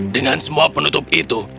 dengan semua penutup itu